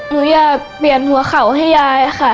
หนูอยากเปลี่ยนหัวเข่าให้ยายค่ะ